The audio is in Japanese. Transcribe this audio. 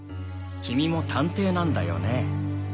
君も探偵なんだよね？